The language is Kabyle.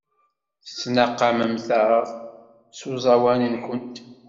Tettnaqamemt-aɣ s uẓawan-nwent.